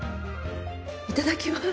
いただきます！